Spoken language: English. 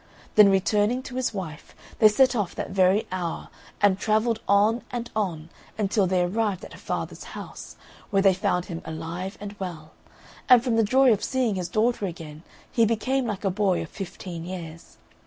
Then returning to his wife, they set off that very hour, and travelled on and on until they arrived at her father's house, where they found him alive and well; and from the joy of seeing his daughter again he became like a boy of fifteen years.